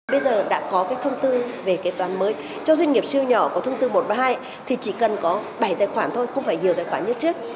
bây giờ đã có cái thông tư về kế toán mới cho doanh nghiệp siêu nhỏ có thông tư một trăm ba mươi hai thì chỉ cần có bảy tài khoản thôi không phải nhiều tài khoản như trước